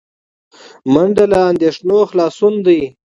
منډه له اندېښنو خلاصون دی